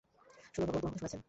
শুনো, ভগবান তোমার কথা শুনেছেন।